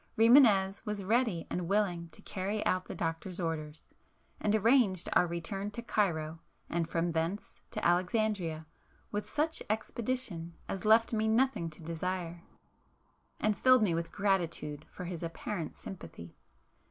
Rimânez was ready and willing to carry out the doctor's orders,—and arranged our return to Cairo and from thence to Alexandria, with such expedition as left me nothing to desire, and filled me with gratitude for his apparent sympathy.